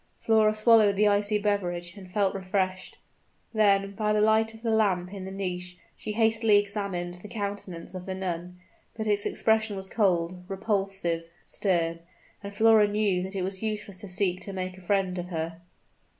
Flora swallowed the icy beverage, and felt refreshed. Then, by the light of the lamp in the niche, she hastily examined the countenance of the nun; but its expression was cold repulsive stern: and Flora knew that it was useless to seek to make a friend of her.